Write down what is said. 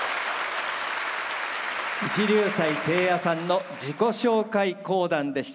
一龍斎貞弥さんの自己紹介講談でした。